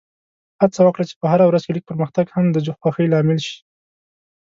هڅه وکړه چې په هره ورځ کې لږ پرمختګ هم د خوښۍ لامل شي.